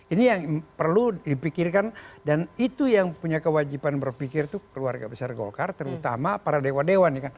ini yang perlu dipikirkan dan itu yang punya kewajiban berpikir itu keluarga besar golkar terutama para dewan dewan